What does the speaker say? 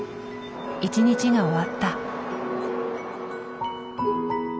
一日が終わった。